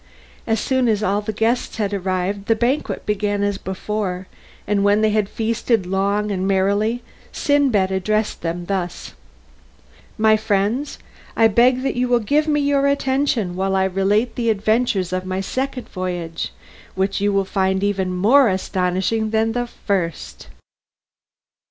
As soon as all the guests had arrived the banquet began as before, and when they had feasted long and merrily, Sindbad addressed them thus: "My friends, I beg that you will give me your attention while I relate the adventures of my second voyage, which you will find even more astonishing than the first."